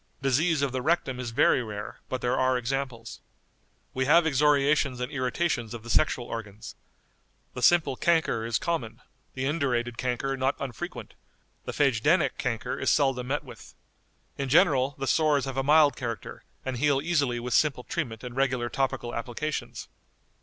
Disease of the rectum is very rare, but there are examples." "We have excoriations and irritations of the sexual organs. The simple chancre is common; the indurated chancre not unfrequent; the phagedænic chancre is seldom met with. In general, the sores have a mild character, and heal easily with simple treatment and regular topical applications.